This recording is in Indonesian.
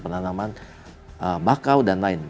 penanaman bakau dan lain